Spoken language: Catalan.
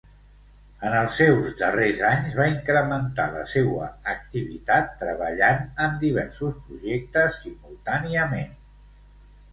En els seus darrers anys va incrementar la seua activitat, treballant en diversos projectes simultàniament.